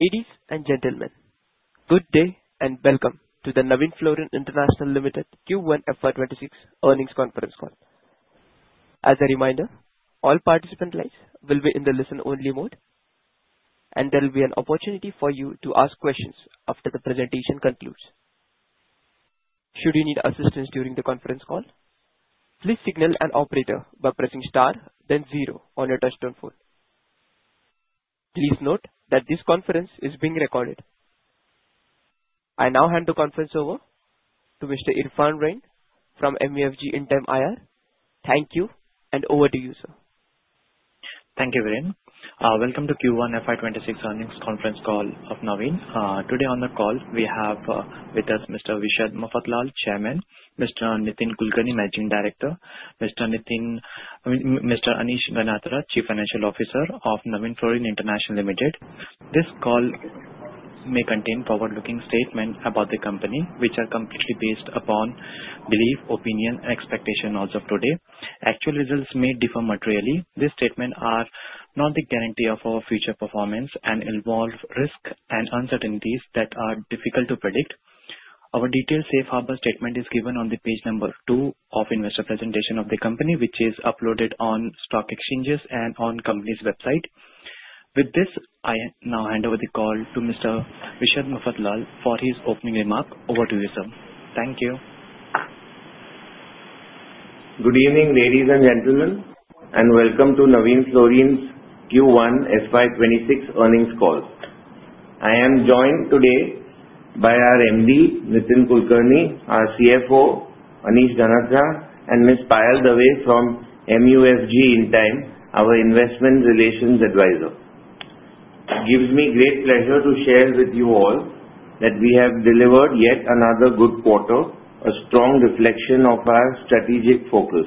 Ladies and gentlemen, good day and welcome to the Navin Fluorine International Limited Q1 FY26 earnings conference call. As a reminder, all participant lines will be in the listen-only mode, and there will be an opportunity for you to ask questions after the presentation concludes. Should you need assistance during the conference call, please signal an operator by pressing star, then zero on your touch-tone phone. Please note that this conference is being recorded. I now hand the conference over to Mr. Irfan Raeen from MUFG Interim IR. Thank you, and over to you, sir. Thank you, everyone. Welcome to Q1 FY26 earnings conference call of Navin. Today on the call, we have with us Mr. Vishal Mafatlal, Chairman; Mr. Nitin Kulkarni, Managing Director; Mr. Anish Ganatra, Chief Financial Officer of Navin Fluorine International Limited. This call may contain forward-looking statements about the company, which are completely based upon belief, opinion, and expectations as of today. Actual results may differ materially. These statements are not a guarantee of our future performance and involve risks and uncertainties that are difficult to predict. Our detailed safe harbor statement is given on page number two of investor presentation of the company, which is uploaded on stock exchanges and on the company's website. With this, I now hand over the call to Mr. Vishal Mafatlal for his opening remark. Over to you, sir. Thank you. Good evening, ladies and gentlemen, and welcome to Navin Fluorine's Q1 FY26 earnings call. I am joined today by our MD, Nitin Kulkarni, our CFO, Anish Ganatra, and Ms. Payal Dave from MUFG, our Investment Relations Advisor. It gives me great pleasure to share with you all that we have delivered yet another good quarter, a strong reflection of our strategic focus.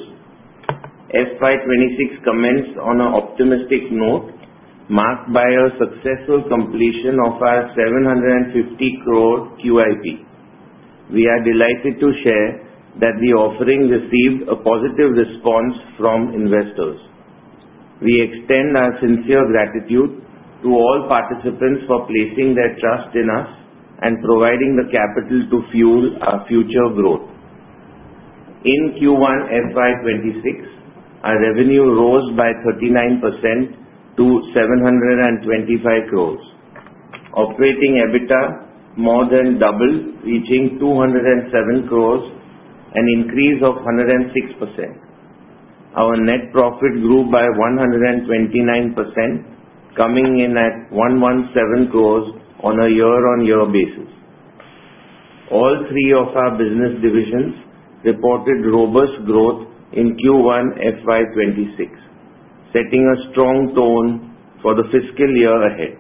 FY26 commenced on an optimistic note, marked by a successful completion of our 750 crore QIP. We are delighted to share that the offering received a positive response from investors. We extend our sincere gratitude to all participants for placing their trust in us and providing the capital to fuel our future growth. In Q1 FY26, our revenue rose by 39% to 725 crores. Operating EBITDA more than doubled, reaching 207 crores, an increase of 106%. Our net profit grew by 129%, coming in at 117 crores on a year-on-year basis. All three of our business divisions reported robust growth in Q1 FY26, setting a strong tone for the fiscal year ahead.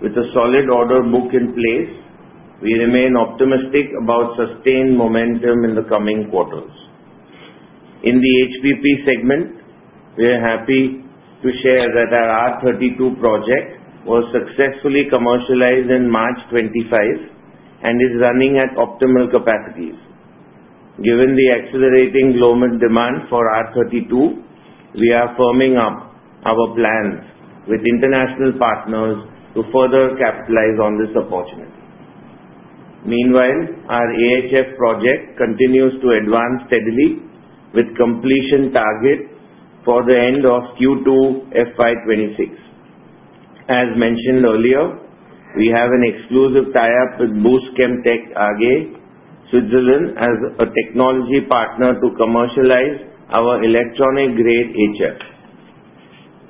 With a solid order book in place, we remain optimistic about sustained momentum in the coming quarters. In the HPP segment, we are happy to share that our R32 project was successfully commercialized in March 2025 and is running at optimal capacities. Given the accelerating global demand for R32, we are firming up our plans with international partners to further capitalize on this opportunity. Meanwhile, our AHF project continues to advance steadily, with completion target for the end of Q2 FY26. As mentioned earlier, we have an exclusive tie-up with Buss ChemTech AG, Switzerland, as a technology partner to commercialize our electronic-grade HF.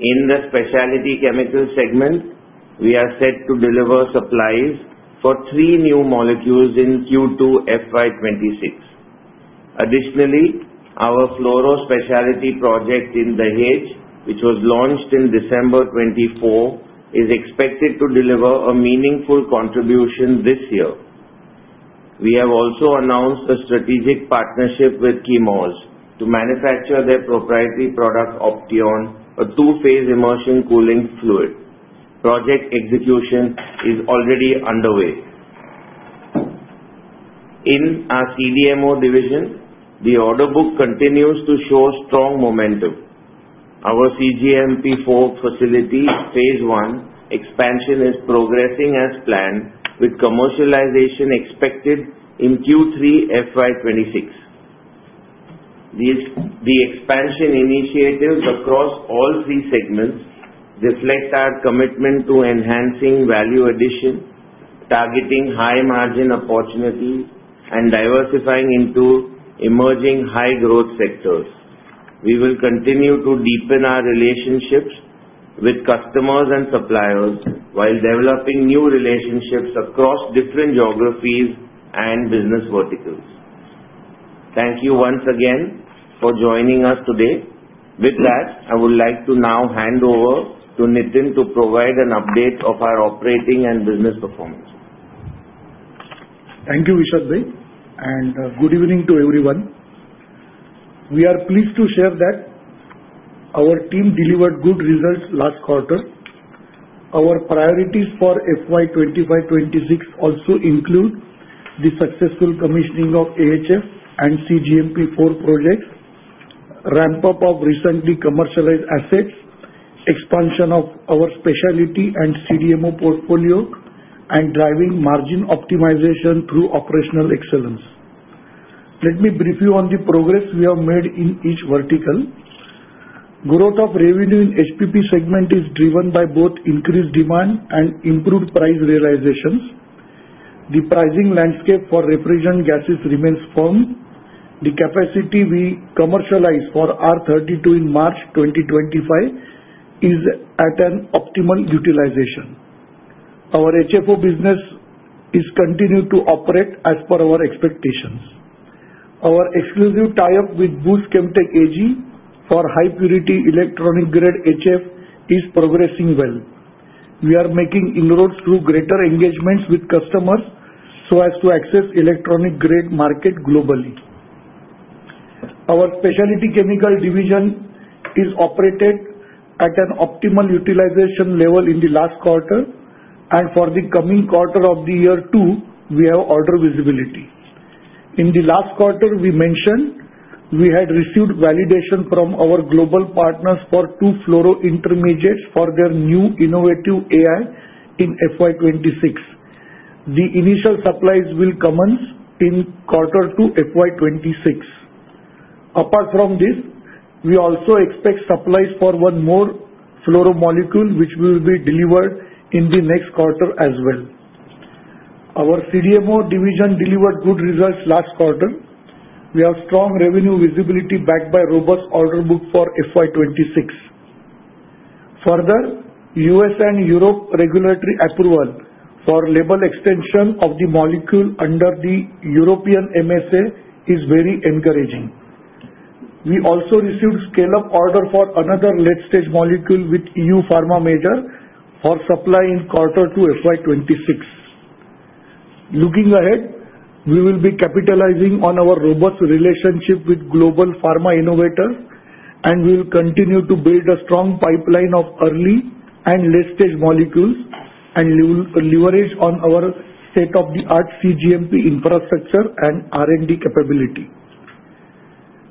In the specialty chemicals segment, we are set to deliver supplies for three new molecules in Q2 FY26. Additionally, our fluoro specialty project in Dahej, which was launched in December 2024, is expected to deliver a meaningful contribution this year. We have also announced a strategic partnership with Chemours to manufacture their proprietary product, Opteon, a two-phase immersion cooling fluid. Project execution is already underway. In our CDMO division, the order book continues to show strong momentum. Our cGMP 4 facility phase I expansion is progressing as planned, with commercialization expected in Q3 FY26. The expansion initiatives across all three segments reflect our commitment to enhancing value addition, targeting high-margin opportunities, and diversifying into emerging high-growth sectors. We will continue to deepen our relationships with customers and suppliers while developing new relationships across different geographies and business verticals. Thank you once again for joining us today. With that, I would like to now hand over to Nitin to provide an update of our operating and business performance. Thank you, Vishal Mafatlal, and good evening to everyone. We are pleased to share that our team delivered good results last quarter. Our priorities for FY25-26 also include the successful commissioning of AHF and cGMP4 projects, ramp-up of recently commercialized assets, expansion of our specialty and CDMO portfolio, and driving margin optimization through operational excellence. Let me brief you on the progress we have made in each vertical. Growth of revenue in HPP segment is driven by both increased demand and improved price realizations. The pricing landscape for refrigerant gases remains firm. The capacity we commercialized for R32 in March 2025 is at an optimal utilization. Our HFO business is continuing to operate as per our expectations. Our exclusive tie-up with Buss ChemTech AG for high-purity electronic-grade HF is progressing well. We are making inroads through greater engagements with customers so as to access electronic-grade market globally. Our specialty chemical division is operated at an optimal utilization level in the last quarter, and for the coming quarter of the year too, we have order visibility. In the last quarter, we mentioned we had received validation from our global partners for two fluoro intermediates for their new innovative AI in FY26. The initial supplies will commence in quarter two FY26. Apart from this, we also expect supplies for one more fluoro molecule, which will be delivered in the next quarter as well. Our CDMO division delivered good results last quarter. We have strong revenue visibility backed by robust order book for FY26. Further, U.S. and Europe regulatory approval for label extension of the molecule under the European MSA is very encouraging. We also received scale-up order for another late-stage molecule with EU pharma major for supply in quarter two FY26. Looking ahead, we will be capitalizing on our robust relationship with global pharma innovators, and we will continue to build a strong pipeline of early and late-stage molecules and leverage on our state-of-the-art cGMP infrastructure and R&D capability.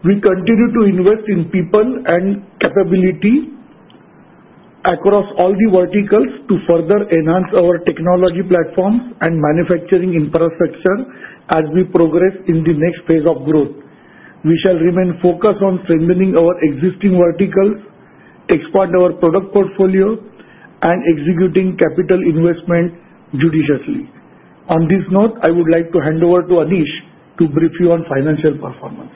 We continue to invest in people and capability across all the verticals to further enhance our technology platforms and manufacturing infrastructure as we progress in the next phase of growth. We shall remain focused on strengthening our existing verticals, expand our product portfolio, and executing capital investment judiciously. On this note, I would like to hand over to Anish to brief you on financial performance.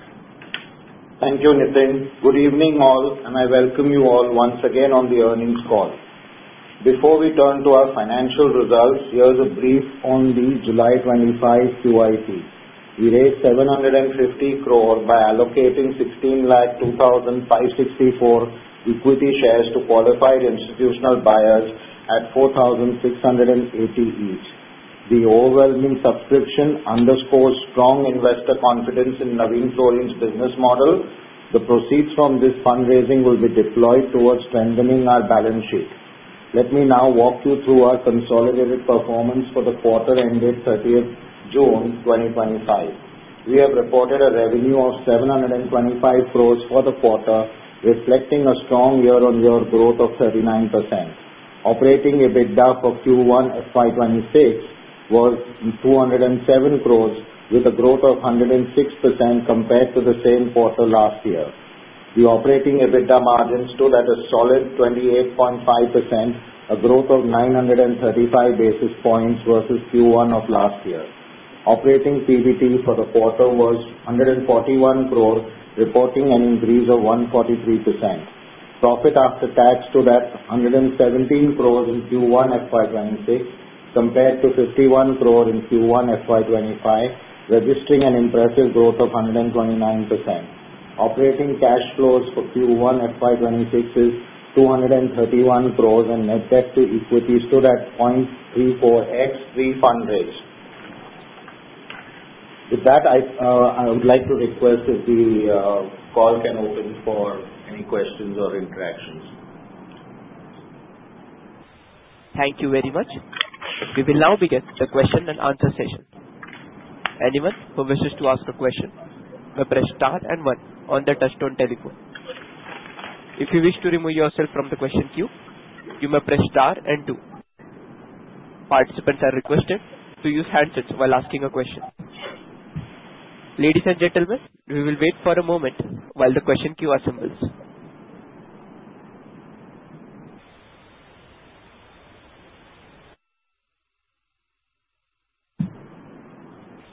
Thank you, Nitin. Good evening, all, and I welcome you all once again on the earnings call. Before we turn to our financial results, here's a brief on the July 25 QIP. We raised 750 crore by allocating 1,602,564 equity shares to qualified institutional buyers at 4,680 each. The overwhelming subscription underscores strong investor confidence in Navin Fluorine's business model. The proceeds from this fundraising will be deployed towards strengthening our balance sheet. Let me now walk you through our consolidated performance for the quarter ended 30 June 2025. We have reported a revenue of 725 crores for the quarter, reflecting a strong year-on-year growth of 39%. Operating EBITDA for Q1 FY26 was 207 crores, with a growth of 106% compared to the same quarter last year. The operating EBITDA margin stood at a solid 28.5%, a growth of 935 basis points versus Q1 of last year. Operating PBT for the quarter was 141 crore, reporting an increase of 143%. Profit after tax stood at 117 crores in Q1 FY26 compared to 51 crores in Q1 FY25, registering an impressive growth of 129%. Operating cash flows for Q1 FY26 is 231 crores, and net debt to equity stood at 0.34x, pre-fund rate. With that, I would like to request if the call can open for any questions or interactions. Thank you very much. We will now begin the question and answer session. Anyone who wishes to ask a question may press star and one on the touch-tone telephone. If you wish to remove yourself from the question queue, you may press star and two. Participants are requested to use handsets while asking a question. Ladies and gentlemen, we will wait for a moment while the question queue assembles.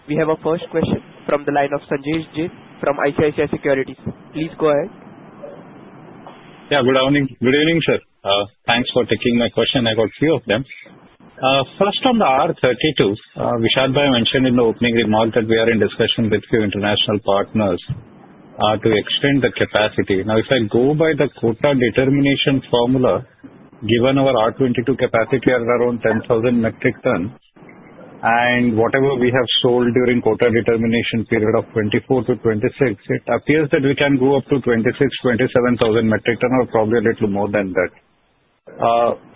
We have a first question from the line of Sanjesh Jain from ICICI Securities. Please go ahead. Yeah, good evening, sir. Thanks for taking my question. I got a few of them. First, on the R32, Vishal Mafatlal mentioned in the opening remark that we are in discussion with a few international partners to extend the capacity. Now, if I go by the quota determination formula, given our R22 capacity at around 10,000 metric tons and whatever we have sold during the quota determination period of 2024-2026, it appears that we can go up to 26,000, 27,000 metric tons or probably a little more than that.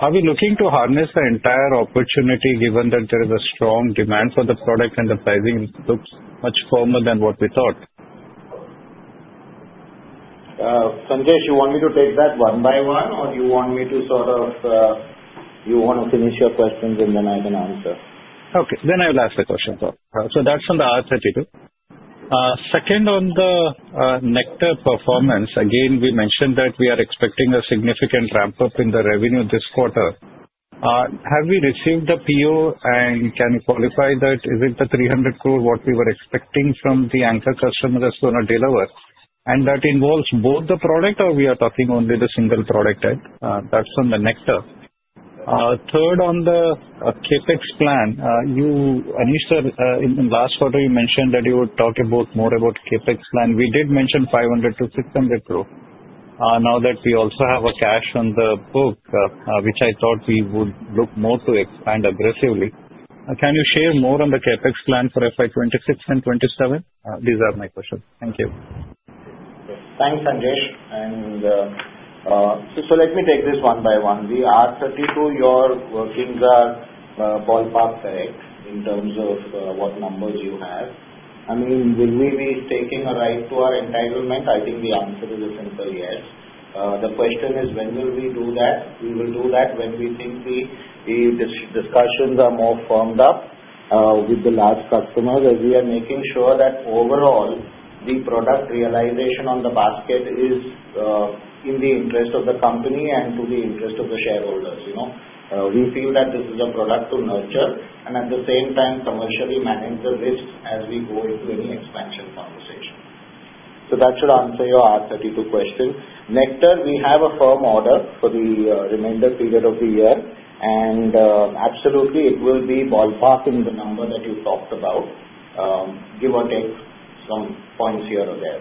Are we looking to harness the entire opportunity given that there is a strong demand for the product and the pricing looks much firmer than what we thought? Sanjesh, you want me to take that one by one, or you want to finish your questions, and then I can answer? Okay. Then I will ask the question so that's on the R32. Second, on the HPP performance, again, we mentioned that we are expecting a significant ramp-up in the revenue this quarter. Have we received the PO, and can you qualify that? Is it the 300 crore what we were expecting from the anchor customer that's going to deliver? And that involves both the product, or we are talking only the single product? That's on the HPP. Third, on the CapEx plan, Anish, in the last quarter, you mentioned that you would talk more about CapEx plan. We did mention 500-600 crore. Now that we also have cash on the book, which I thought we would look more to expand aggressively, can you share more on the CapEx plan for FY26 and FY27? These are my questions. Thank you. Thanks, Sanjesh. And so let me take this one by one. The R32, your things are all part correct in terms of what numbers you have. I mean, will we be taking a right to our entitlement? I think the answer is a simple yes. The question is, when will we do that? We will do that when we think the discussions are more firmed up with the large customers, as we are making sure that overall, the product realization on the basket is in the interest of the company and to the interest of the shareholders. We feel that this is a product to nurture and at the same time commercially manage the risks as we go into any expansion conversation. So that should answer your R32 question. Next term, we have a firm order for the remainder period of the year, and absolutely, it will be ballparking the number that you talked about, give or take some points here or there,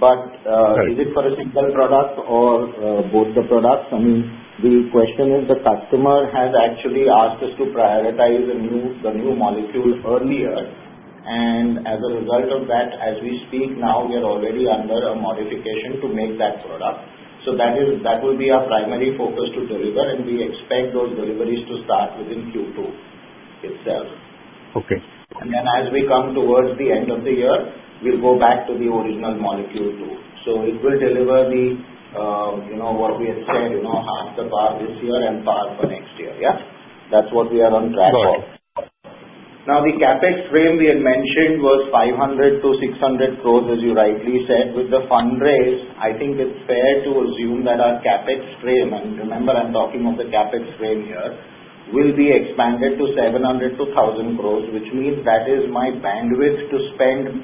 right? But is it for a single product or both the products? I mean, the question is the customer has actually asked us to prioritize the new molecule earlier, and as a result of that, as we speak now, we are already undergoing a modification to make that product. So that will be our primary focus to deliver, and we expect those deliveries to start within Q2 itself. Okay. And then as we come towards the end of the year, we'll go back to the original molecule too. So it will deliver the what we had said, half the part this year and part for next year, yeah? That's what we are on track for. Now, the CapEx frame we had mentioned was 500-600 crores, as you rightly said. With the fundraise, I think it's fair to assume that our CapEx frame, and remember, I'm talking of the CapEx frame here, will be expanded to 700-1,000 crores, which means that is my bandwidth to spend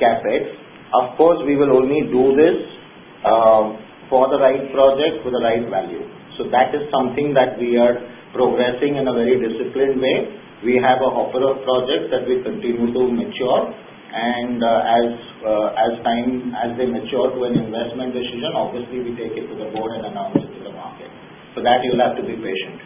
CapEx. Of course, we will only do this for the right project with the right value. So that is something that we are progressing in a very disciplined way. We have a hopper of projects that will continue to mature, and as they mature to an investment decision, obviously, we take it to the board and announce it to the market. For that, you'll have to be patient.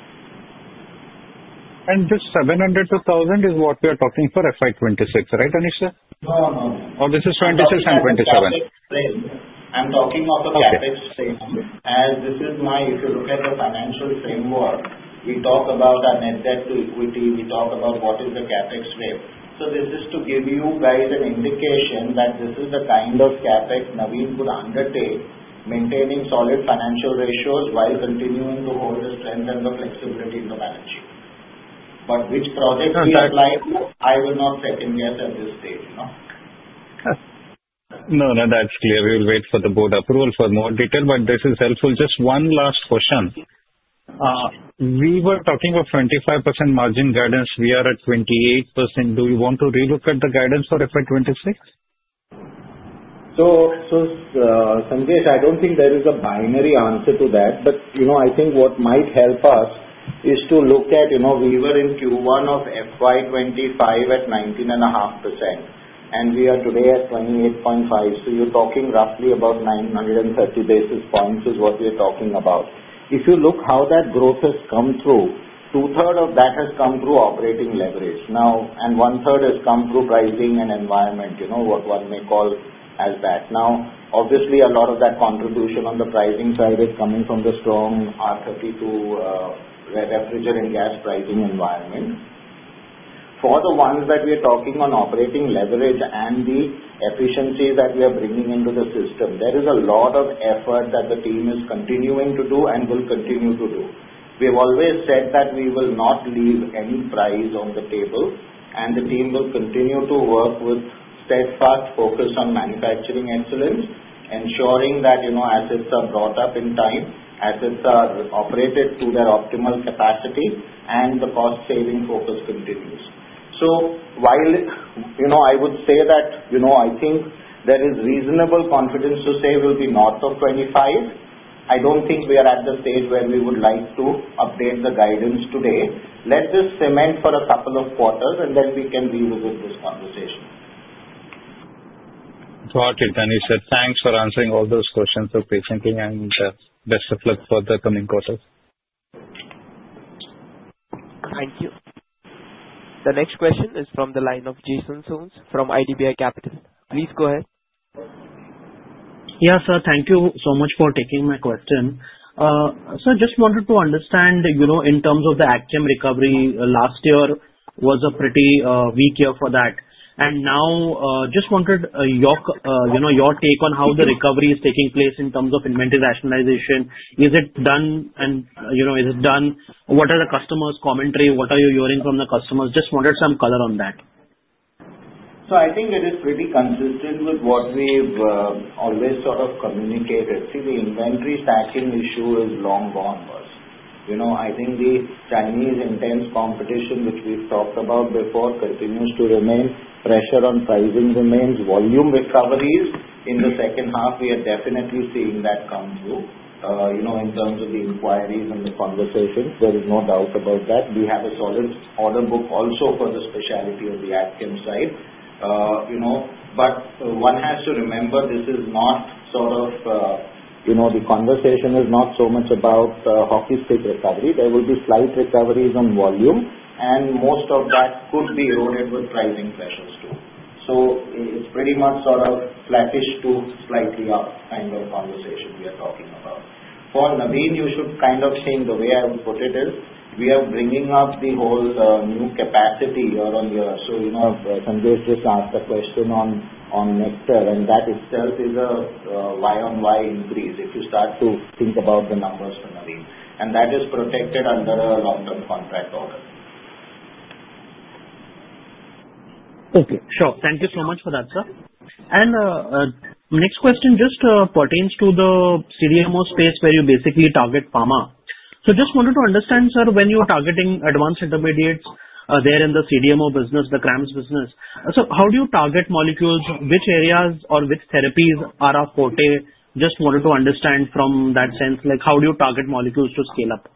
This 700-1,000 is what we are talking for FY26, right, Anish? No, no, no. Or this is 2026 and 2027? I'm talking of the CapEx framework. As this is my, if you look at the financial framework, we talk about our net debt to equity. We talk about what is the CapEx rate. So this is to give you guys an indication that this is the kind of CapEx Navin could undertake, maintaining solid financial ratios while continuing to hold the strength and the flexibility in the balance sheet. But which project we apply, I will not second guess at this stage. No, no, that's clear. We will wait for the board approval for more detail, but this is helpful. Just one last question. We were talking about 25% margin guidance. We are at 28%. Do you want to relook at the guidance for FY26? Sanjesh, I don't think there is a binary answer to that, but I think what might help us is to look at we were in Q1 of FY25 at 19.5%, and we are today at 28.5%. So you're talking roughly about 930 basis points is what we are talking about. If you look how that growth has come through, two-thirds of that has come through operating leverage. Now, and one-third has come through pricing and environment, what one may call as that. Now, obviously, a lot of that contribution on the pricing side is coming from the strong R32 refrigerant gas pricing environment. For the ones that we are talking on operating leverage and the efficiencies that we are bringing into the system, there is a lot of effort that the team is continuing to do and will continue to do. We have always said that we will not leave any price on the table, and the team will continue to work with steadfast focus on manufacturing excellence, ensuring that assets are brought up in time, assets are operated to their optimal capacity, and the cost-saving focus continues. So while I would say that I think there is reasonable confidence to say we'll be north of 25, I don't think we are at the stage where we would like to update the guidance today. Let this cement for a couple of quarters, and then we can revisit this conversation. Got it, Anish. Thanks for answering all those questions so patiently, and best of luck for the coming quarters. Thank you. The next question is from the line of Jason Soans from IDBI Capital. Please go ahead. Yes, sir. Thank you so much for taking my question. Sir, just wanted to understand in terms of the AgChem recovery. Last year was a pretty weak year for that. And now just wanted your take on how the recovery is taking place in terms of inventory rationalization. Is it done, and is it done? What are the customers' commentary? What are you hearing from the customers? Just wanted some color on that. So I think it is pretty consistent with what we've always sort of communicated. See, the inventory stacking issue is long gone, Buss. I think the Chinese intense competition, which we've talked about before, continues to remain. Pressure on pricing remains. Volume recoveries in the second half, we are definitely seeing that come through in terms of the inquiries and the conversations. There is no doubt about that. We have a solid order book also for the specialty on the agchem side. But one has to remember this is not sort of the conversation is not so much about hockey stick recovery. There will be slight recoveries on volume, and most of that could be eroded with pricing pressures too. So it's pretty much sort of flattish to slightly up kind of conversation we are talking about. For Navin, you should kind of seeing the way I would put it is we are bringing up the whole new capacity year on year. So Sanjesh just asked a question on net term, and that itself is a Y on Y increase if you start to think about the numbers for Navin. That is protected under a long-term contract order. Okay. Sure. Thank you so much for that, sir. And next question just pertains to the CDMO space where you basically target pharma. So just wanted to understand, sir, when you're targeting advanced intermediates there in the CDMO business, the CRAMS business, so how do you target molecules? Which areas or which therapies are afforded? Just wanted to understand from that sense, how do you target molecules to scale up?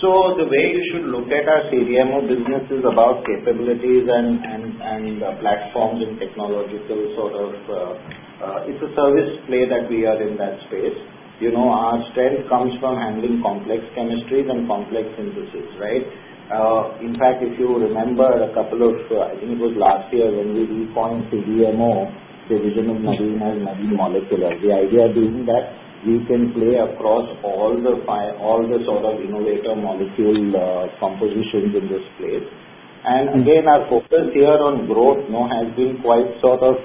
So the way you should look at our CDMO business is about capabilities and platforms and technological sort of. It's a service play that we are in that space. Our strength comes from handling complex chemistries and complex synthesis, right? In fact, if you remember a couple of, I think it was last year when we rebranded CDMO division of Navin as Navin Molecular, the idea being that we can play across all the sort of innovative molecule compositions in this space. And again, our focus here on growth has been quite sort of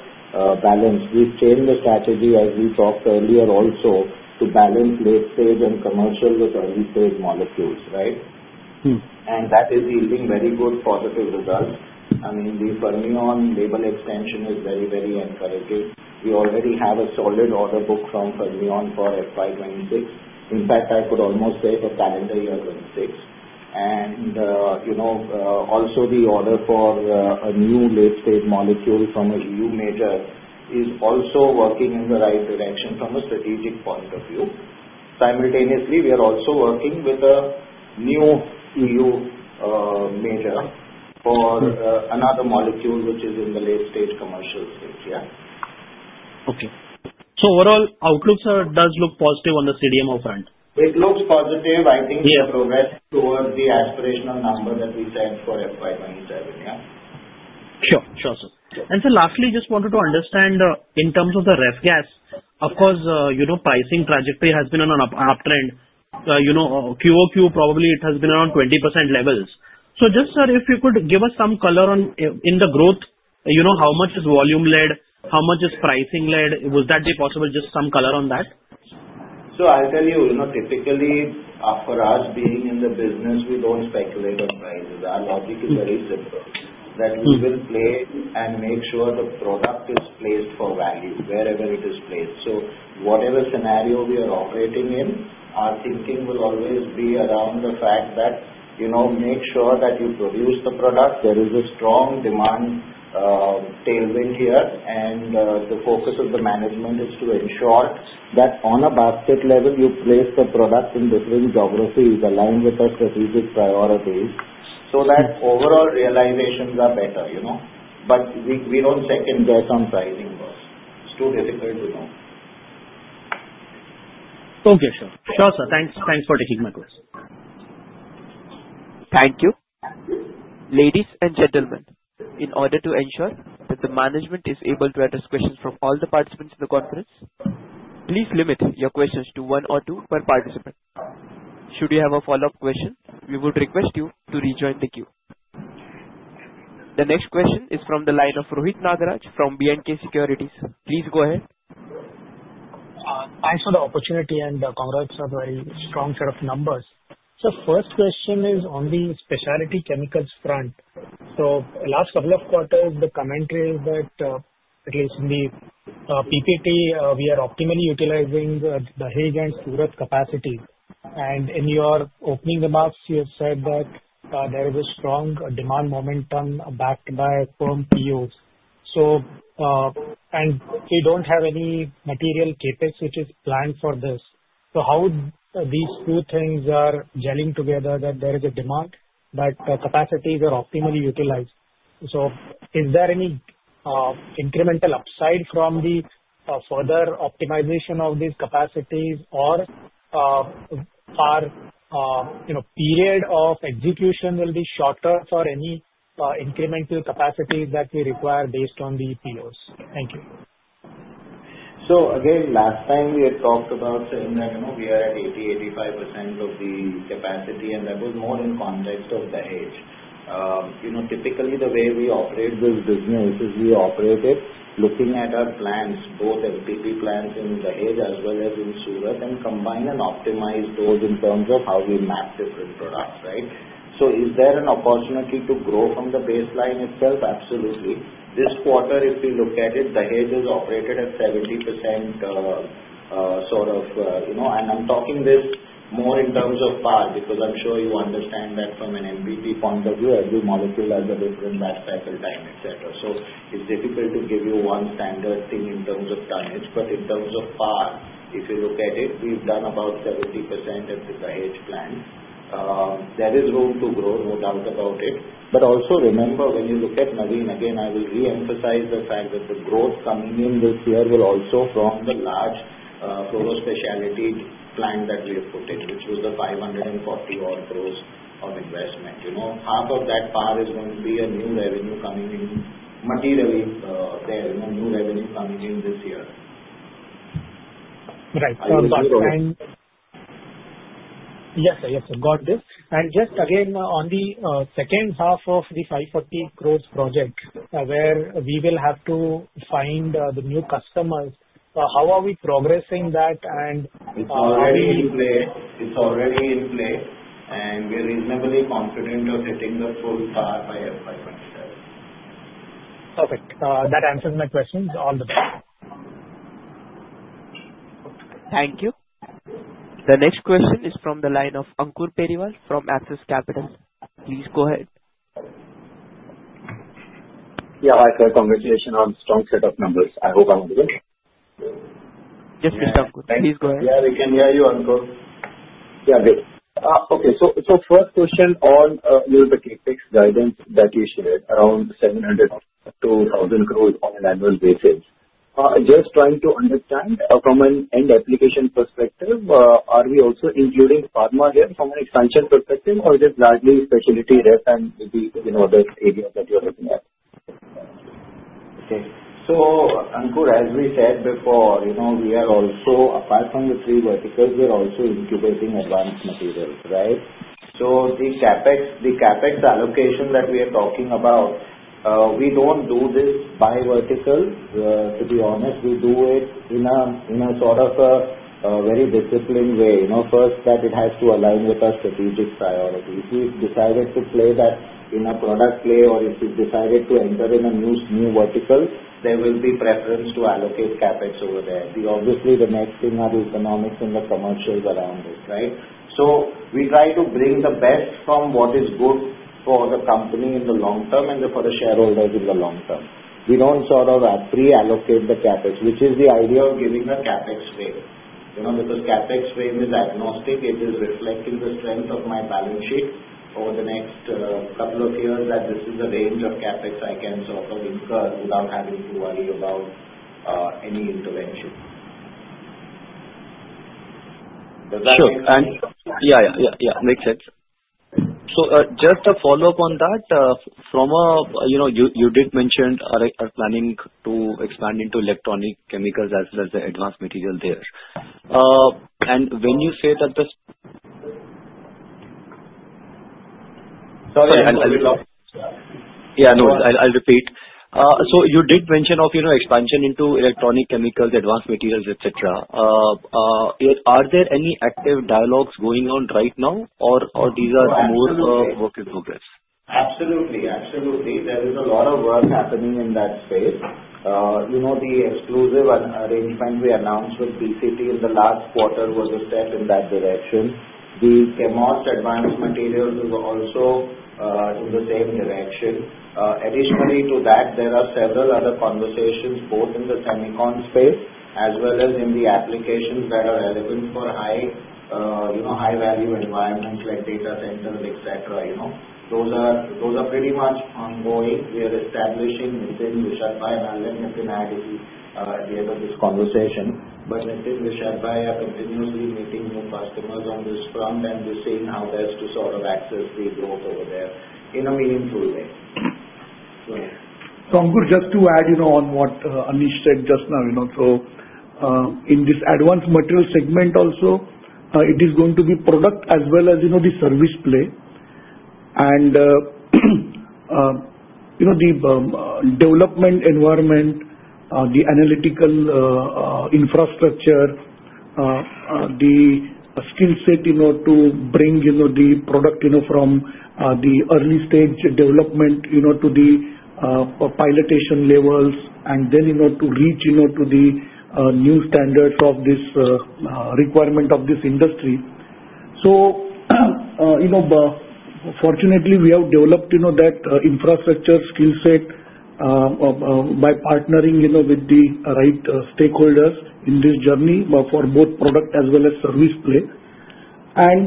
balanced. We've changed the strategy as we talked earlier also to balance late-stage and commercial with early-stage molecules, right? And that is yielding very good positive results. I mean, the Fermion label extension is very, very encouraging. We already have a solid order book from Fermion for FY26. In fact, I could almost say for calendar year 2026. And also the order for a new late-stage molecule from a EU major is also working in the right direction from a strategic point of view. Simultaneously, we are also working with a new EU major for another molecule, which is in the late-stage commercial stage, yeah? Okay. So overall outlook, sir, does look positive on the CDMO front? It looks positive. I think we are progressing towards the aspirational number that we set for FY27, yeah? Sure, sure, sir. And so lastly, just wanted to understand in terms of the ref gas, of course, pricing trajectory has been on an uptrend. QoQ probably it has been around 20% levels. So just, sir, if you could give us some color in the growth, how much is volume-led, how much is pricing-led? Would that be possible, just some color on that? So I'll tell you, typically, for us being in the business, we don't speculate on prices. Our logic is very simple, that we will play and make sure the product is placed for value wherever it is placed. So whatever scenario we are operating in, our thinking will always be around the fact that make sure that you produce the product. There is a strong demand tailwind here, and the focus of the management is to ensure that on a basket level, you place the product in different geographies aligned with our strategic priorities so that overall realizations are better. But we don't second guess on pricing, boss. It's too difficult to know. Okay, sir. Sure, sir. Thanks for taking my call. Thank you. Ladies and gentlemen, in order to ensure that the management is able to address questions from all the participants in the conference, please limit your questions to one or two per participant. Should you have a follow-up question, we would request you to rejoin the queue. The next question is from the line of Rohit Nagaraj from B&K Securities. Please go ahead. Thanks for the opportunity and congrats on the very strong set of numbers. So first question is on the specialty chemicals front. So last couple of quarters, the commentary is that at least in the PPT, we are optimally utilizing the Dahej and Surat capacity. And in your opening remarks, you said that there is a strong demand momentum backed by firm POs. And we don't have any material Capex which is planned for this. So how these two things are gelling together that there is a demand that capacities are optimally utilized? So is there any incremental upside from the further optimization of these capacities, or our period of execution will be shorter for any incremental capacities that we require based on the POs? Thank you. So again, last time we had talked about saying that we are at 80%-85% of the capacity, and that was more in context of the Dahej. Typically, the way we operate this business is we operate it looking at our plants, both MPP plants in the Dahej as well as in Surat, and combine and optimize those in terms of how we map different products, right? So is there an opportunity to grow from the baseline itself? Absolutely. This quarter, if you look at it, the Dahej is operated at 70% sort of, and I'm talking this more in terms of par because I'm sure you understand that from an MPP point of view, every molecule has a different batch cycle time, etc. It's difficult to give you one standard thing in terms of tonnage, but in terms of cap, if you look at it, we've done about 70% at the Dahej plant. There is room to grow, no doubt about it. Also remember, when you look at Navin, again, I will re-emphasize the fact that the growth coming in this year will also come from the large fluoro specialty plant that we have put in, which was the 540-odd crores of investment. Half of that cap is going to be a new revenue coming in materially there, new revenue coming in this year. Right, so last time. Yes, sir. Yes, sir. Got this. And just again, on the second half of the 540-gross project, where we will have to find the new customers, how are we progressing that, and how are we? It's already in place. It's already in place, and we are reasonably confident of hitting the full par by FY27. Perfect. That answers my questions. All the best. Thank you. The next question is from the line of Ankur Periwal from Axis Capital. Please go ahead. Yeah, Hi, Vishal congratulations on a strong set of numbers. I hope I'm audible. Yes, Mr. Ankur. Please go ahead. Yeah, we can hear you, Ankur. Yeah, good. Okay. So first question on the CapEx guidance that you shared around 700-1,000 gross on an annual basis. Just trying to understand from an end application perspective, are we also including pharma here from an expansion perspective, or is it largely specialty ref and maybe other areas that you're looking at? Okay. So, Ankur, as we said before, we are also, apart from the three verticals, we are also incubating advanced materials, right? So the CapEx allocation that we are talking about, we don't do this by vertical. To be honest, we do it in a sort of a very disciplined way. First, that it has to align with our strategic priorities. If we've decided to play that in a product play, or if we've decided to enter in a new vertical, there will be preference to allocate CapEx over there. Obviously, the next thing are the economics and the commercials around it, right? So we try to bring the best from what is good for the company in the long term and for the shareholders in the long term. We don't sort of pre-allocate the CapEx, which is the idea of giving a CapEx wave. Because CapEx wave is agnostic, it is reflecting the strength of my balance sheet over the next couple of years that this is the range of CapEx I can sort of incur without having to worry about any intervention. Does that make sense? Sure. Yeah, yeah, yeah, yeah. Makes sense. So just a follow-up on that, you did mention planning to expand into electronic chemicals as well as the advanced material there. And when you say that the. Sorry, I'll repeat. Yeah, no. I'll repeat. So you did mention of expansion into electronic chemicals, advanced materials, etc. Are there any active dialogues going on right now, or these are more work in progress? Absolutely. Absolutely. There is a lot of work happening in that space. The exclusive arrangement we announced with BCT in the last quarter was a step in that direction. The Chemours advanced materials is also in the same direction. Additionally to that, there are several other conversations both in the semiconductor space as well as in the applications that are relevant for high-value environments like data centers, etc. Those are pretty much ongoing. We are establishing Nitin and Vishal bhai and I'll let Nitin add if he is at the end of this conversation. But Nitin and Vishal bhai are continuously meeting new customers on this front and just seeing how best to sort of access the growth over there in a meaningful way. Ankur, just to add on what Anish said just now, so in this advanced material segment also, it is going to be product as well as the service play. The development environment, the analytical infrastructure, the skill set to bring the product from the early-stage development to the piloting levels, and then to reach to the new standards of this requirement of this industry. Fortunately, we have developed that infrastructure skill set by partnering with the right stakeholders in this journey for both product as well as service play.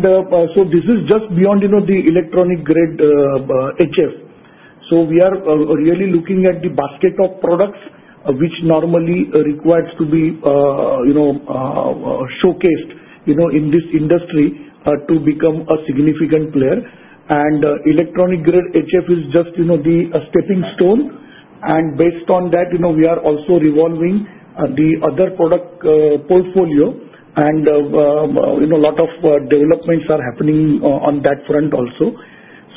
This is just beyond the Electronic-grade HF. We are really looking at the basket of products which normally requires to be showcased in this industry to become a significant player. Electronic-grade HF is just the stepping stone. Based on that, we are also evolving the other product portfolio, and a lot of developments are happening on that front also.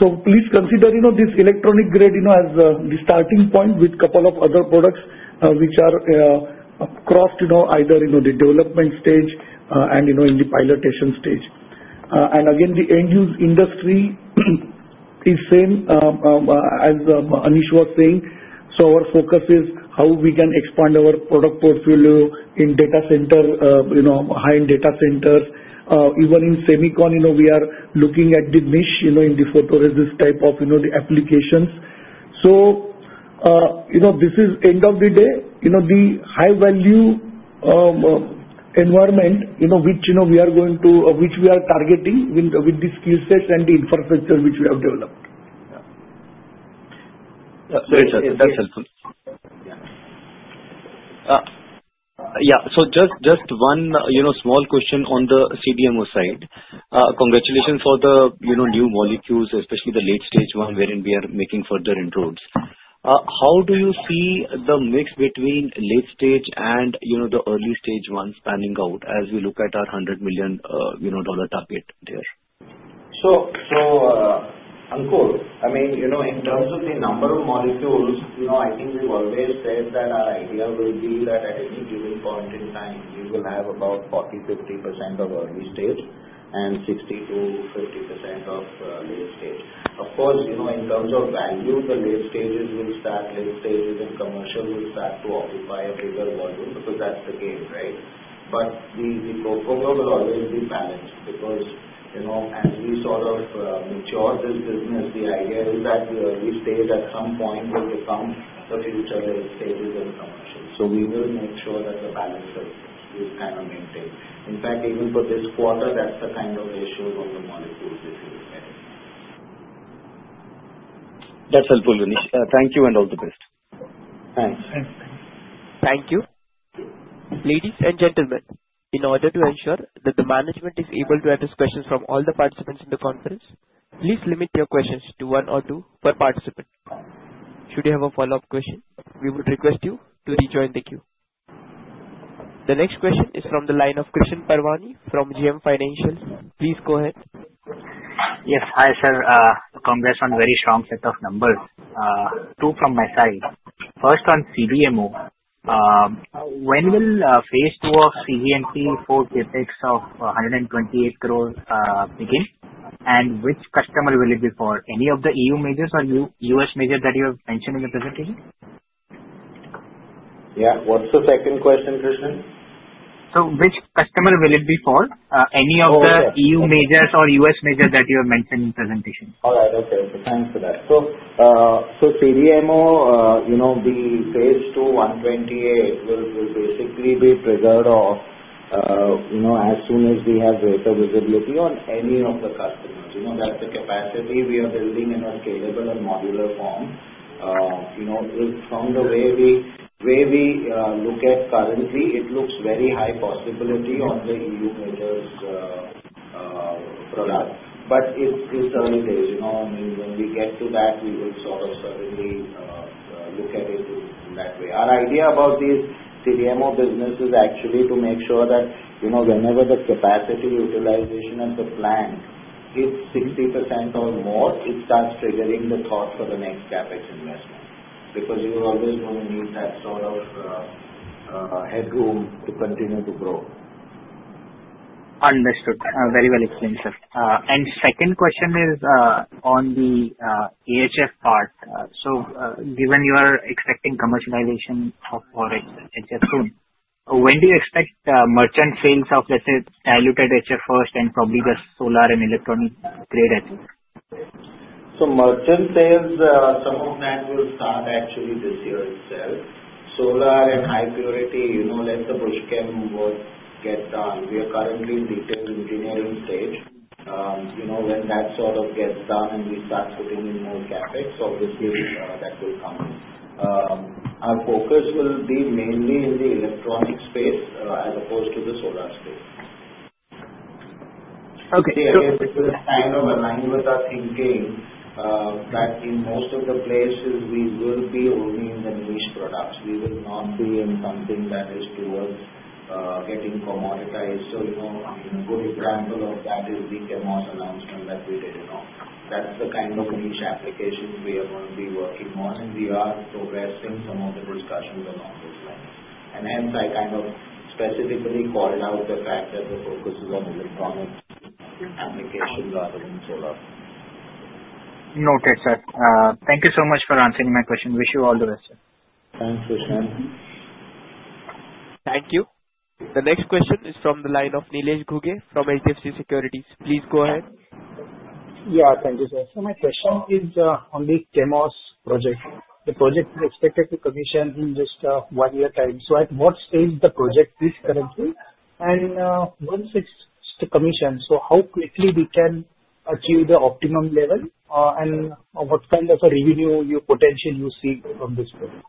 Please consider this electronic-grade as the starting point with a couple of other products which are either in the development stage or in the pilot stage. Again, the end-use industry is same as Anish was saying. Our focus is how we can expand our product portfolio in data center, high-end data centers. Even in semiconductor, we are looking at the niche in the photoresist type of the applications. This is at the end of the day, the high-value environment which we are going to which we are targeting with the skill sets and the infrastructure which we have developed. Yeah. Sorry, sir. That's helpful. Yeah. So just one small question on the CDMO side. Congratulations for the new molecules, especially the late-stage one wherein we are making further inroads. How do you see the mix between late-stage and the early-stage one spanning out as we look at our $100 million target there? So Ankur, I mean, in terms of the number of molecules, I think we've always said that our idea will be that at any given point in time, we will have about 40%-50% of early-stage and 60%-50% of late-stage. Of course, in terms of value, the late-stages will start late-stages and commercial will start to occupy a bigger volume because that's the game, right? But the portfolio will always be balanced because as we sort of mature this business, the idea is that the early-stage at some point will become the future late-stages and commercial. So we will make sure that the balance will kind of maintain. In fact, even for this quarter, that's the kind of mix of the molecules if you look at it. That's helpful, Anish. Thank you and all the best. Thanks. Thanks. Thank you. Ladies and gentlemen, in order to ensure that the management is able to address questions from all the participants in the conference, please limit your questions to one or two per participant. Should you have a follow-up question, we would request you to rejoin the queue. The next question is from the line of Krishan Parwani from JM Financial. Please go ahead. Yes. Hi, sir. Congrats on a very strong set of numbers. Two from my side. First, on CDMO, when will phase two of cGMP for Capex of 128 crores begin? And which customer will it be for? Any of the EU majors or U.S. major that you have mentioned in the presentation? Yeah. What's the second question, Krishan? Which customer will it be for? Any of the EU majors or U.S. major that you have mentioned in the presentation? All right. Okay. Thanks for that. So CDMO, the phase two, 128, will basically be triggered as soon as we have greater visibility on any of the customers. That's the capacity we are building in a scalable and modular form. From the way we look at currently, it looks very high possibility on the EU major's product, but it's early days. I mean, when we get to that, we will sort of certainly look at it in that way. Our idea about these CDMO businesses is actually to make sure that whenever the capacity utilization of the plant hits 60% or more, it starts triggering the thought for the next CapEx investment because you're always going to need that sort of headroom to continue to grow. Understood. Very well explained, sir. And second question is on the HF part. So given you are expecting commercialization for HF soon, when do you expect merchant sales of, let's say, diluted HF first and probably just solar and electronic-grade HF? So merchant sales, some of that will start actually this year itself. Solar and high-purity, let the Buss Chem work get done. We are currently in detailed engineering stage. When that sort of gets done and we start putting in more CapEx, obviously, that will come. Our focus will be mainly in the electronic space as opposed to the solar space. Okay. It's kind of aligned with our thinking that in most of the places, we will be only in the niche products. We will not be in something that is towards getting commoditized. So I mean, a good example of that is the Chemours announcement that we did. That's the kind of niche applications we are going to be working on, and we are progressing some of the discussions along those lines. And hence, I kind of specifically called out the fact that the focus is on electronic applications rather than solar. Noted, sir. Thank you so much for answering my question. Wish you all the best, sir. Thanks, Krishan. Thank you. The next question is from the line of Nilesh Ghuge from HDFC Securities. Please go ahead. Yeah. Thank you, sir. So my question is on the Chemours project. The project is expected to commission in just one year time. So at what stage the project is currently? And once it's commissioned, so how quickly we can achieve the optimum level and what kind of a revenue potential you see from this project?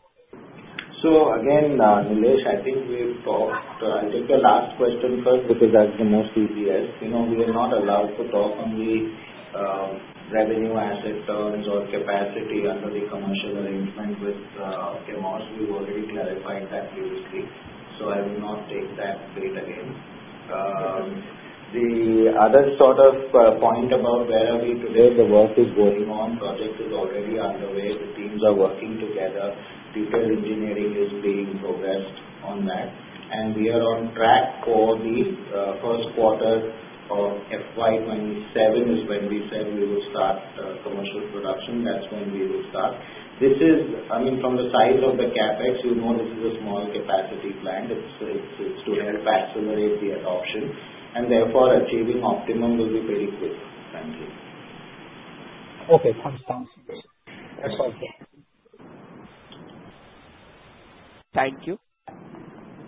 So again, Nilesh, I think we've talked. I'll take the last question first because that's the most easiest. We are not allowed to talk on the revenue asset terms or capacity under the commercial arrangement with Chemours. We've already clarified that previously. So I will not take that bit again. The other sort of point about where are we today? The work is going on. Project is already underway. The teams are working together. Detailed engineering is being progressed on that. And we are on track for the first quarter of FY27 is when we said we would start commercial production. That's when we will start. This is, I mean, from the size of the Capex, you know this is a small capacity plant. It's to help accelerate the adoption. And therefore, achieving optimum will be pretty quick. Thank you. Okay. Thanks. Thank you.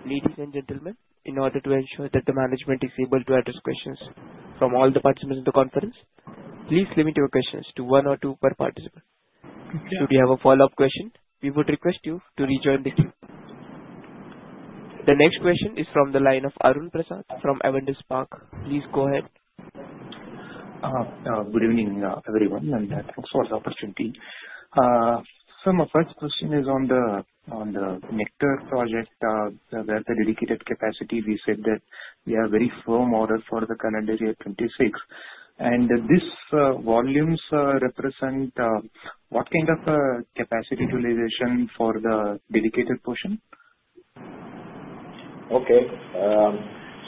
Ladies and gentlemen, in order to ensure that the management is able to address questions from all the participants in the conference, please limit your questions to one or two per participant. Should you have a follow-up question, we would request you to rejoin the queue. The next question is from the line of Arun Prasad from Avendus Spark. Please go ahead. Good evening, everyone, and thanks for the opportunity. So my first question is on the Nectar project. We are at the dedicated capacity. We said that we have very firm order for the calendar year 2026. And these volumes represent what kind of capacity utilization for the dedicated portion? Okay,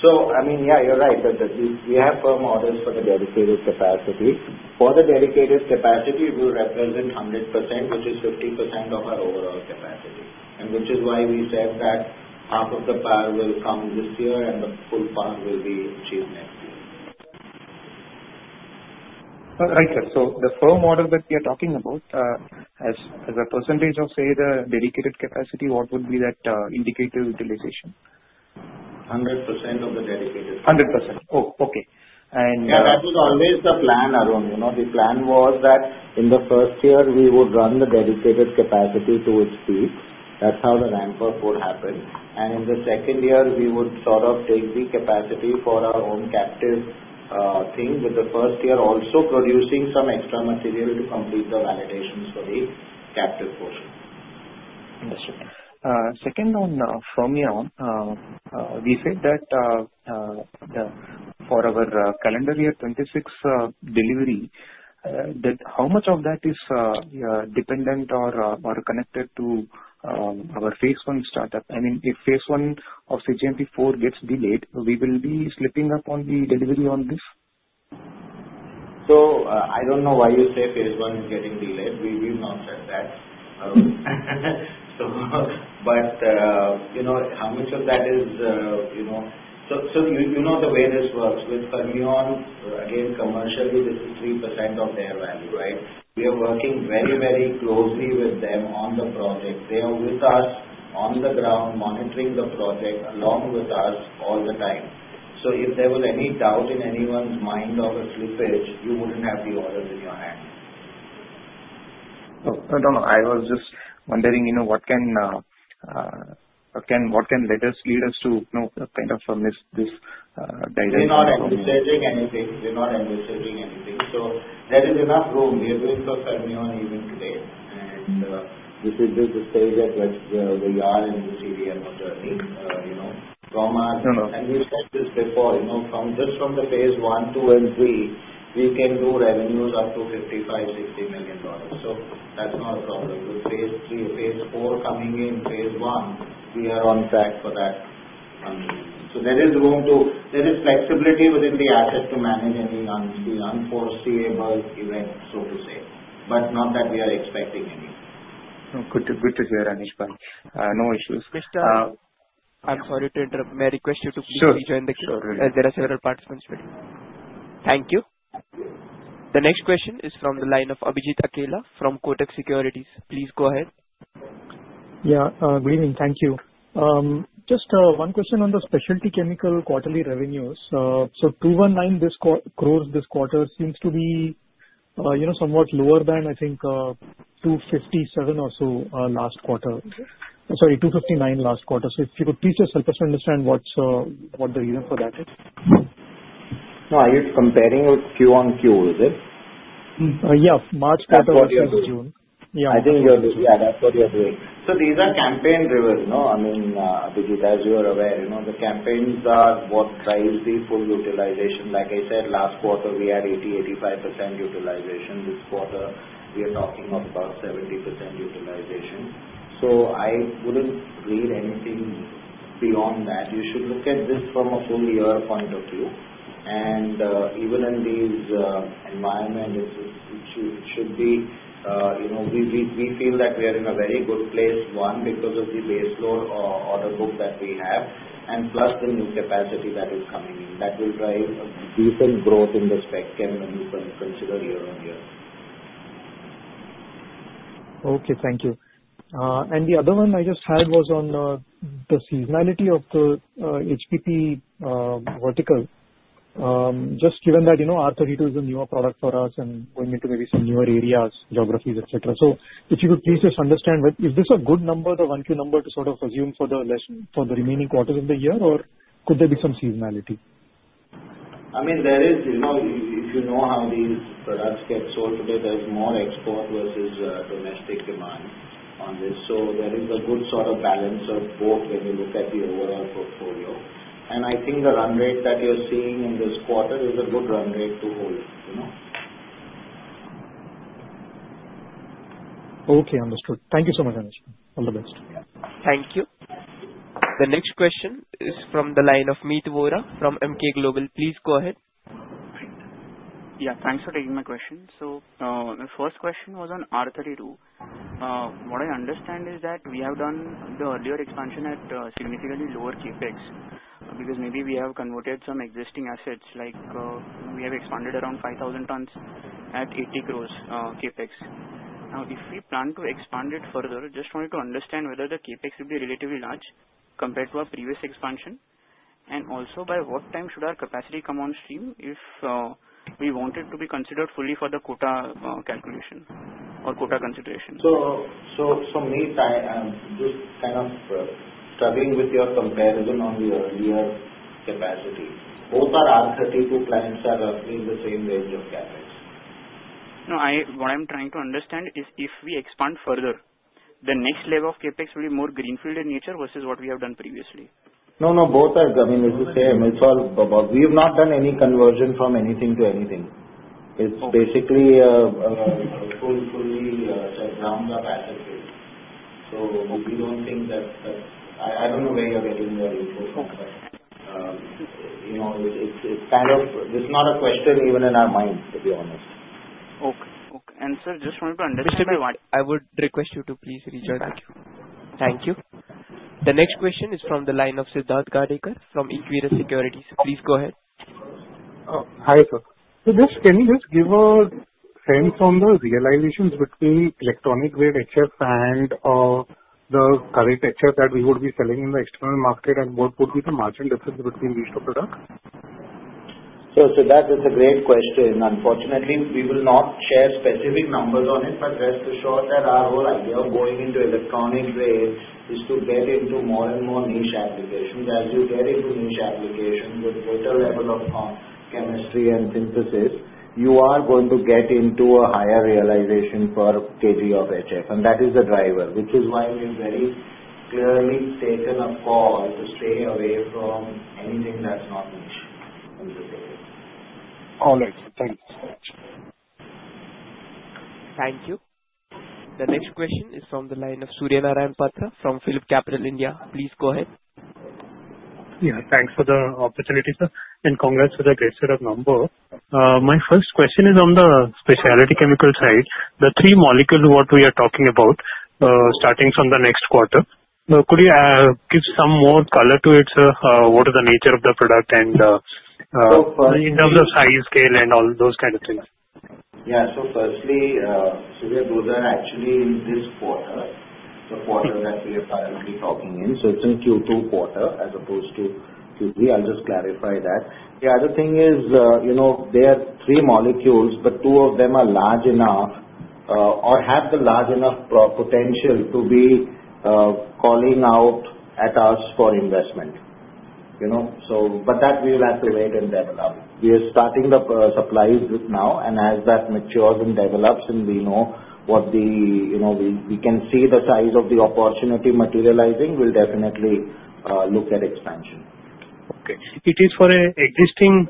so I mean, yeah, you're right that we have firm orders for the dedicated capacity. For the dedicated capacity, we'll represent 100%, which is 50% of our overall capacity, and which is why we said that half of the power will come this year and the full power will be achieved next year. All right, sir. So the firm order that we are talking about, as a percentage of, say, the dedicated capacity, what would be that indicator utilization? 100% of the dedicated capacity. 100%. Oh, okay. And. Yeah. That was always the plan, Arun. The plan was that in the first year, we would run the dedicated capacity to its peak. That's how the ramp-up would happen, and in the second year, we would sort of take the capacity for our own captive thing, with the first year also producing some extra material to complete the validations for the captive portion. Understood. Second on Fermion, we said that for our calendar year 2026 delivery, how much of that is dependent or connected to our phase one startup? I mean, if phase one of cGMP4 gets delayed, we will be slipping up on the delivery on this? So I don't know why you say phase one is getting delayed. We will not check that. But how much of that is, so you know, the way this works. With Fermion, again, commercially, this is 3% of their value, right? We are working very, very closely with them on the project. They are with us on the ground, monitoring the project along with us all the time. So if there was any doubt in anyone's mind of a slippage, you wouldn't have the orders in your hands. No, no, no. I was just wondering what can lead us to kind of miss this dilution? We're not anticipating anything. We're not anticipating anything. So there is enough room. We are doing for Fermion even today. And this is just the stage at which we are in the CDMO journey. From our, and we said this before. Just from the phase one, two, and three, we can do revenues up to $55-$60 million. So that's not a problem. With phase three, phase four coming in, phase one, we are on track for that funding. So there is room to. There is flexibility within the asset to manage any unforeseeable events, so to say. But not that we are expecting any. Good to hear, Anish. No issues. Mr., I'm sorry to interrupt. May I request you to please rejoin the queue? Sure. Sure. There are several participants waiting. Thank you. The next question is from the line of Abhijit Akela from Kotak Securities. Please go ahead. Yeah. Good evening. Thank you. Just one question on the specialty chemical quarterly revenues. So 219 crores this quarter seems to be somewhat lower than, I think, 257 or so last quarter. Sorry, 259 last quarter. So if you could please just help us understand what the reason for that is. No, are you comparing it Q on Q, is it? Yeah. March quarter versus June. Yeah. I think you're, yeah, that's what you're doing. So these are campaign driven. I mean, Abhijit, as you are aware, the campaigns are what drives the full utilization. Like I said, last quarter, we had 80-85% utilization. This quarter, we are talking of about 70% utilization. So I wouldn't read anything beyond that. You should look at this from a full year point of view. And even in these environments, it should be, we feel that we are in a very good place, one, because of the base load order book that we have, and plus the new capacity that is coming in. That will drive a decent growth in the Specialty Chemicals, consider year on year. Okay. Thank you. And the other one I just had was on the seasonality of the HPP vertical. Just given that R32 is a newer product for us and going into maybe some newer areas, geographies, etc. So if you could please just understand, is this a good number, the Q1 number, to sort of assume for the remaining quarters of the year, or could there be some seasonality? I mean, there is, if you know how these products get sold today, there's more export versus domestic demand on this. So there is a good sort of balance of both when you look at the overall portfolio. And I think the run rate that you're seeing in this quarter is a good run rate to hold. Okay. Understood. Thank you so much, Anish. All the best. Thank you. The next question is from the line of Meet Vora from Emkay Global. Please go ahead. Yeah. Thanks for taking my question. So the first question was on R32. What I understand is that we have done the earlier expansion at significantly lower CapEx because maybe we have converted some existing assets. We have expanded around 5,000 tons at 80 gross CapEx. Now, if we plan to expand it further, just wanted to understand whether the CapEx will be relatively large compared to our previous expansion. And also, by what time should our capacity come on stream if we want it to be considered fully for the quota calculation or quota consideration? So Meet, I'm just kind of struggling with your comparison on the earlier capacity. Both our R32 clients are roughly in the same range of CapEx. No. What I'm trying to understand is if we expand further, the next level of Capex will be more greenfield in nature versus what we have done previously? No, no. Both are. I mean, this is the same. It's all about we have not done any conversion from anything to anything. It's basically fully around the passive phase. So we don't think that. I don't know where you're getting your info, but it's kind of, it's not a question even in our minds, to be honest. Okay. Okay. And sir, just wanted to understand. Mr. Bhawan, I would request you to please rejoin. Thank you. Thank you. The next question is from the line of Siddharth Gadekar from Equirus Securities. Please go ahead. Hi, sir. So just can you just give a sense on the realizations between electronic-grade HF and the current HF that we would be selling in the external market, and what would be the margin difference between these two products? So that is a great question. Unfortunately, we will not share specific numbers on it, but rest assured that our whole idea of going into electronic-grade is to get into more and more niche applications. As you get into niche applications with greater level of chemistry and synthesis, you are going to get into a higher realization per kg of HF. And that is the driver, which is why we've very clearly taken a call to stay away from anything that's not niche in this area. All right. Thank you so much. Thank you. The next question is from the line of Surya Narayan Patra from PhillipCapital India. Please go ahead. Yeah. Thanks for the opportunity, sir, and congrats with a great set of numbers. My first question is on the specialty chemical side. The three molecules what we are talking about, starting from the next quarter, could you give some more color to it? What is the nature of the product and in terms of size, scale, and all those kind of things? Yeah. So firstly, Surya Narayan Patra, actually, in this quarter, the quarter that we are currently talking in, so it's in Q2 quarter as opposed to Q3. I'll just clarify that. The other thing is there are three molecules, but two of them are large enough or have the large enough potential to be calling out at us for investment. But that we will have to wait and develop. We are starting the supplies now, and as that matures and develops and we know what the—we can see the size of the opportunity materializing, we'll definitely look at expansion. Okay. It is for an existing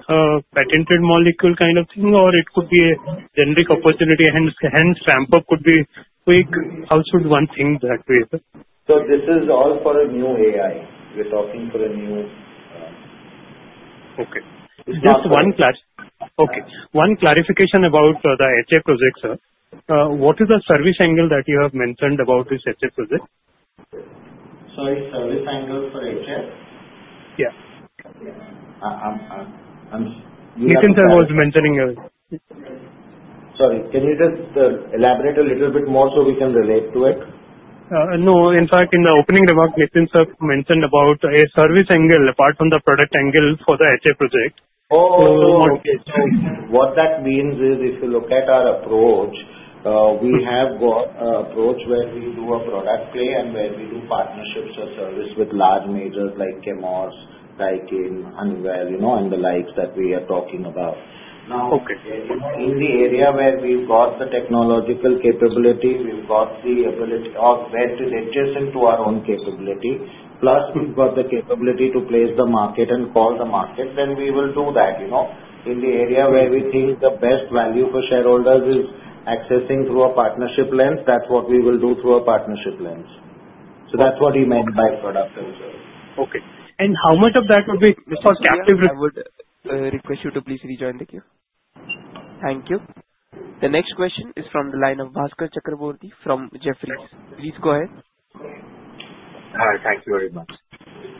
patented molecule kind of thing, or it could be a generic opportunity? Hence, ramp-up could be quick. How should one think that way, sir? So this is all for a new AI. We're talking for a new. Okay. Just one clarification about the HF project, sir. What is the service angle that you have mentioned about this HF project? Sorry. Service angle for HF? Yeah. You know. Meetin, sir, was mentioning a. Sorry. Can you just elaborate a little bit more so we can relate to it? No. In fact, in the opening remark, Meet Vora, sir, mentioned about a service angle apart from the product angle for the HF project. Oh, okay. So what that means is if you look at our approach, we have got an approach where we do a product play and where we do partnerships or service with large majors like Chemours, Daikin, Honeywell, and the likes that we are talking about. Now, in the area where we've got the technological capability, we've got the ability or where it is adjacent to our own capability, plus we've got the capability to place the market and call the market, then we will do that. In the area where we think the best value for shareholders is accessing through a partnership lens, that's what we will do through a partnership lens. So that's what he meant by product and service. Okay. And how much of that would be for captive? I would request you to please rejoin the queue. Thank you. The next question is from the line of Bhaskar Chakraborty from Jefferies. Please go ahead. Hi. Thank you very much.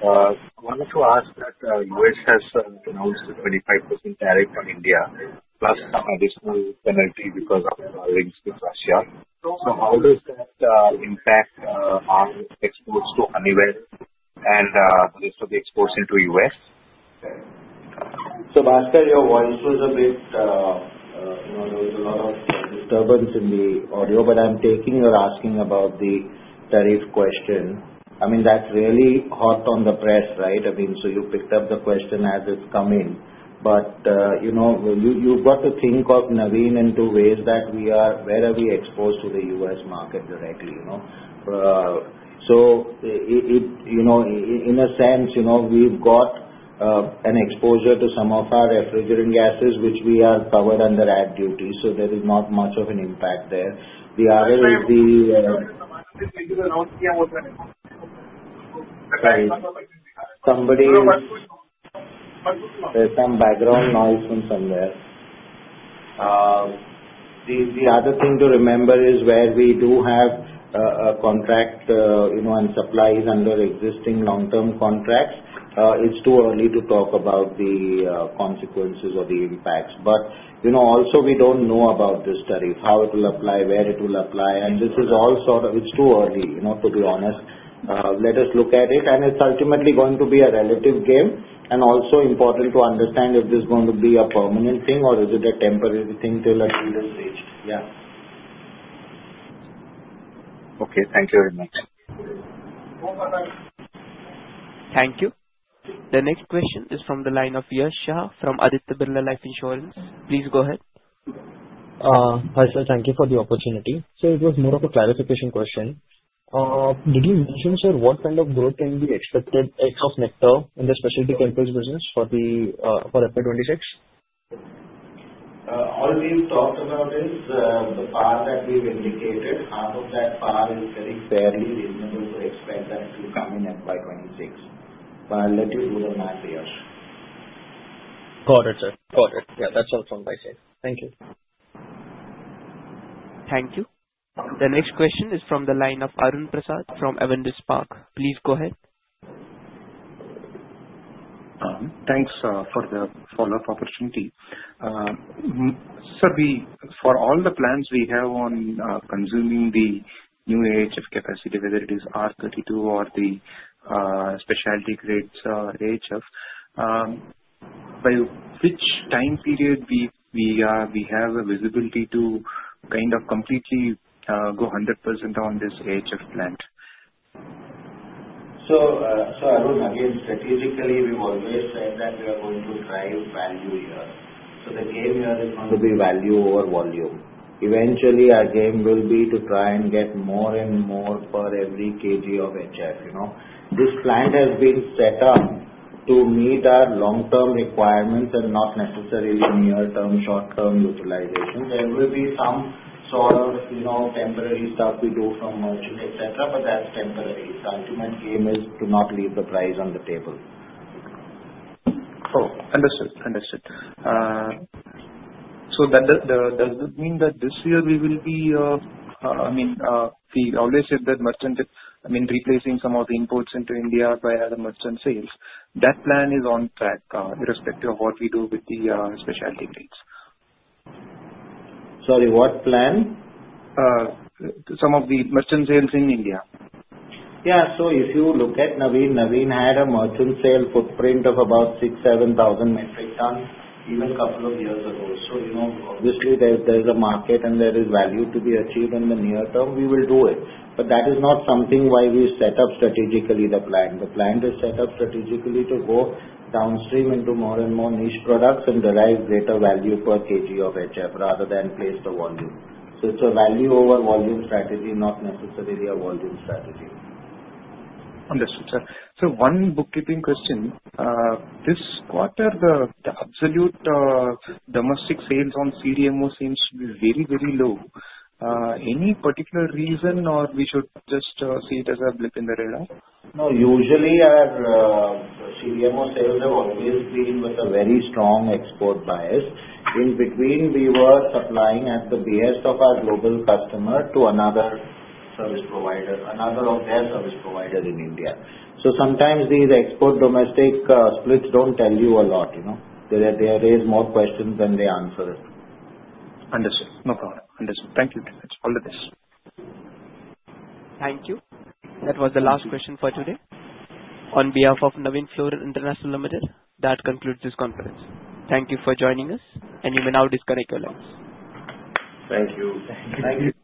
I wanted to ask that U.S. has announced a 25% tariff on India, plus some additional penalty because of our links with Russia. So how does that impact our exports to Honeywell and the rest of the exports into U.S.? So Bhaskar, your voice was a bit, there was a lot of disturbance in the audio, but I'm taking you're asking about the tariff question. I mean, that's really hot off the press, right? I mean, so you picked up the question as it's coming. But you've got to think of Navin in two ways that we are, where are we exposed to the U.S. market directly? So in a sense, we've got an exposure to some of our refrigerant gases, which we are covered under anti-dumping duty. So there is not much of an impact there. The other is the, somebody, there's some background noise from somewhere. The other thing to remember is where we do have a contract and supplies under existing long-term contracts, it's too early to talk about the consequences or the impacts. But also, we don't know about this tariff, how it will apply, where it will apply. And this is all sort of. It's too early, to be honest. Let us look at it, and it's ultimately going to be a relative game. And also, important to understand if this is going to be a permanent thing or is it a temporary thing till agreement is reached. Yeah. Okay. Thank you very much. Thank you. The next question is from the line of Yash Shah from Aditya Birla Sun Life Insurance. Please go ahead. Hi, sir. Thank you for the opportunity. So it was more of a clarification question. Did you mention, sir, what kind of growth can be expected ex Nectar in the specialty chemicals business for FY26? All we've talked about is the path that we've indicated. Half of that path is very fairly reasonable to expect that to come in FY26. But I'll let you do the math, Yash. Got it, sir. Got it. Yeah. That's all from my side. Thank you. Thank you. The next question is from the line of Arun Prasad from Avendus Spark. Please go ahead. Thanks for the follow-up opportunity. Sir, for all the plans we have on consuming the new HF capacity, whether it is R32 or the specialty grade HF, by which time period do we have a visibility to kind of completely go 100% on this HF plant? So Arun, again, strategically, we've always said that we are going to drive value here. So the game here is going to be value over volume. Eventually, our game will be to try and get more and more per every kg of HF. This plant has been set up to meet our long-term requirements and not necessarily near-term, short-term utilization. There will be some sort of temporary stuff we do from merchant, etc., but that's temporary. The ultimate game is to not leave the price on the table. Oh, understood. Understood. So does that mean that this year we will be, I mean, we always said that merchant, I mean, replacing some of the imports into India by other merchant sales. That plan is on track irrespective of what we do with the specialty grades? Sorry. What plan? Some of the merchant sales in India. Yeah. So if you look at Navin, Navin had a merchant sale footprint of about 6,000, 7,000 metric tons even a couple of years ago. So obviously, there's a market and there is value to be achieved in the near term. We will do it. But that is not something why we set up strategically the plant. The plant is set up strategically to go downstream into more and more niche products and derive greater value per kg of HF rather than place the volume. So it's a value over volume strategy, not necessarily a volume strategy. Understood, sir. So one bookkeeping question. This quarter, the absolute domestic sales on CDMO seems to be very, very low. Any particular reason or we should just see it as a blip in the radar? No. Usually, our CDMO sales have always been with a very strong export bias. In between, we were supplying at the behest of our global customer to another service provider, another of their service providers in India. So sometimes these export domestic splits don't tell you a lot. There are more questions than they answer. Understood. No problem. Understood. Thank you very much. All the best. Thank you. That was the last question for today. On behalf of Navin Fluorine International Limited, that concludes this conference. Thank you for joining us, and you may now disconnect your lines. Thank you. Thank you.